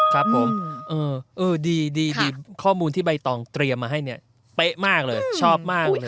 ครับผมดีดีข้อมูลที่ใบตองเตรียมมาให้เนี่ยเป๊ะมากเลยชอบมากเลยนะ